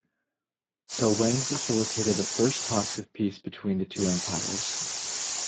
So, Wang facilitated the first talks of peace between the two empires.